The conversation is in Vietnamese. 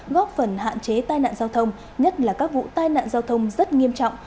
góp phần hạn chế tai nạn giao thông nhất là các vụ tai nạn giao thông rất nghiêm trọng